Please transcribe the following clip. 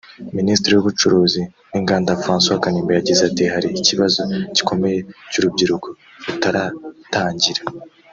Minisitiri w’Ubucuruzi n’Inganda François Kanimba yagize ati “Hari ikibazo gikomeye cy’urubyiruko rutaratangira